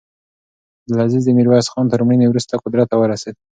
عبدالعزیز د میرویس خان تر مړینې وروسته قدرت ته ورسېد.